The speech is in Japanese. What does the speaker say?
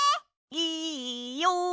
いいよ！